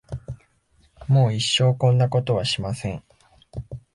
もう一生こんなことはしません。